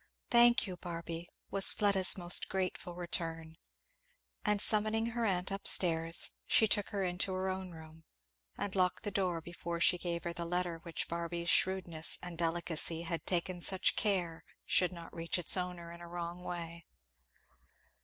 "Thank you, Barby!" was Fleda's most grateful return; and summoning her aunt up stairs she took her into her own room and locked the door before she gave her the letter which Barby's shrewdness and delicacy had taken such care should not reach its owner in a wrong way.